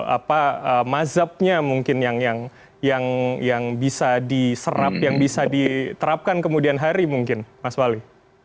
apa mazhabnya mungkin yang bisa diserap yang bisa diterapkan kemudian hari mungkin mas wali